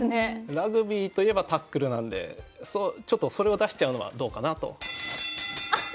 ラグビーといえばタックルなんでちょっとそれを出しちゃうのはどうかなと。